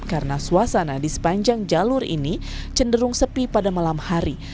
karena suasana di sepanjang jalur ini cenderung sepi pada malam hari